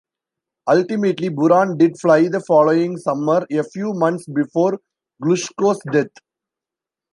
Ultimately, Buran did fly the following summer, a few months before Glushko's death.